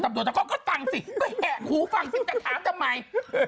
เขาก็ตั้งสิก็แห่งหูฟังสิจะถามทำไม